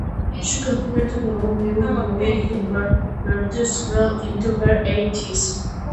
She continued to develop new rose varieties well into her eighties.